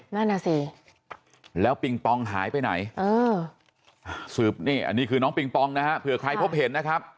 นั่นน่ะสิแล้วปิงปองหายไปไหนเออสืบนี่อันนี้คือน้องปิงปองนะฮะเผื่อใครพบเห็นนะครับ